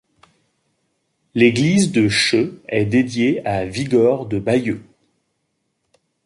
L'église de Cheux est dédiée à Vigor de Bayeux.